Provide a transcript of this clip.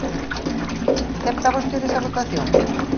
¿Acepta vostede esa votación?